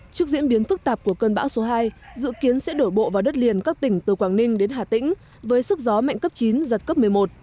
trước diễn biến phức tạp của cơn bão số hai dự kiến sẽ đổ bộ vào đất liền các tỉnh từ quảng ninh đến hà tĩnh với sức gió mạnh cấp chín giật cấp một mươi một